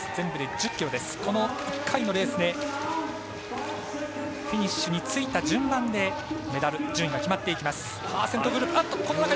この１回のレースでフィニッシュについた順番でメダル順位が決まっていきます。